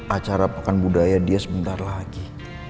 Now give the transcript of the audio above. acara pekan budaya dia sebentar lagi